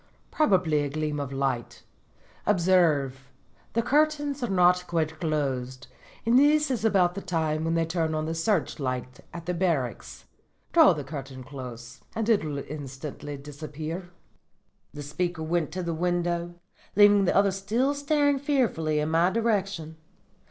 Probably a gleam of light. Observe, the curtains are not quite closed, and this is about the time when they turn on the searchlight at the barracks. Draw the curtains close and it will instantly disappear.' "The speaker went to the window, leaving the other still staring fearfully in my direction.